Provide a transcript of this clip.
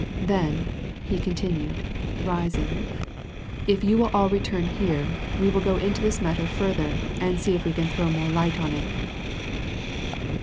Then," he continued, rising, "if you will all return here, we will go into this matter further, and see if we can throw more light on it."